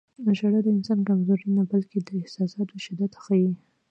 • ژړا د انسان کمزوري نه، بلکې د احساساتو شدت ښيي.